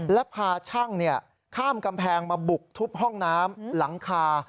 และพาช่างข้ามกำแพงมาบุกทุบห้องน้ำหลังคา